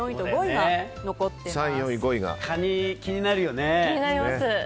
カニ気になるよね。